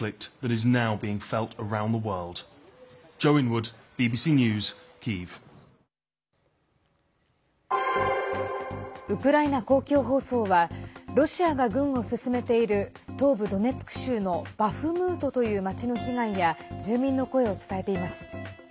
ウクライナ公共放送はロシアが軍を進めている東部ドネツク州のバフムートという町の被害や住民の声を伝えています。